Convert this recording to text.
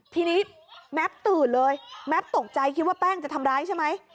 ทีนี้แม็ปตื่นเลยแม็ปตกใจคิดว่าแป้งจะทำร้ายใช่ไหม